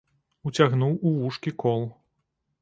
Уцягнуў у вушкі кол.